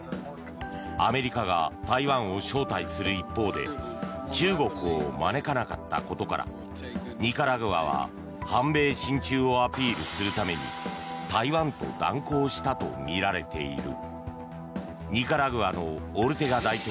アメリカが台湾を招待する一方で中国を招かなかったことからニカラグアは反米親中をアピールするために台湾と断交したとみられている。